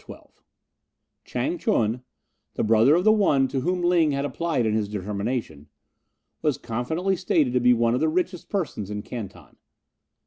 CHAPTER XII Chang ch'un, the brother of the one to whom Ling had applied in his determination, was confidently stated to be one of the richest persons in Canton.